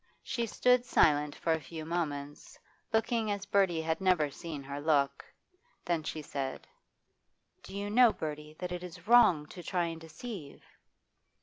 She stood silent for a few moments, looking as Bertie had never seen her look. Then she said: 'Do you know, Bertie, that it is wrong to try and deceive?